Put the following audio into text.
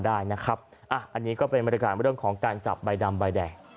อันนี้ก็เป็นบรรยากาศของการจับใบดำใบแดง